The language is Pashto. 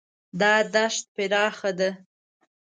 دا دښت پراخه ده.